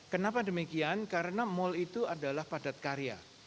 kenapa demikian karena mal itu adalah padat karya